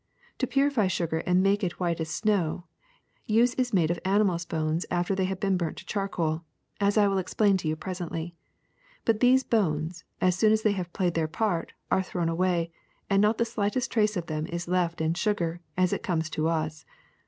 To purify sugar and make it as white as snow, use is made of animals' bones after they have been burnt to charcoal, as I will explain to you presently. But these bones, as soon as they have played their part, are thrown away and not the slightest trace of them is left in sugar as it comes to us.